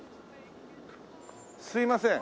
すいません。